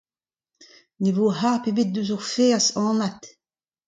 Ne vo harp ebet eus o ferzh, anat !